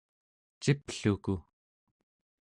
cipluku